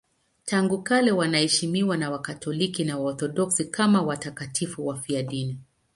Tangu kale wanaheshimiwa na Wakatoliki na Waorthodoksi kama watakatifu wafiadini.